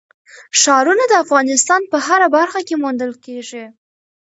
ښارونه د افغانستان په هره برخه کې موندل کېږي.